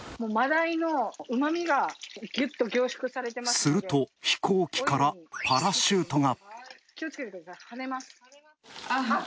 すると、飛行機からパラシュートが。